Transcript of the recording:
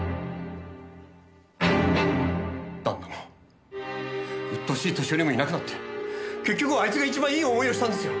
旦那もうっとうしい年寄りもいなくなって結局はあいつが一番いい思いをしたんですよ。